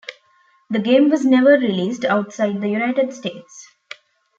The game was never released outside the United States.